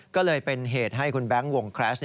ก็เลยเป็นเหตุให้คุณแบงค์วงแคลส